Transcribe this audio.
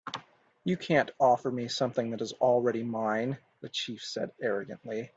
"You can't offer me something that is already mine," the chief said, arrogantly.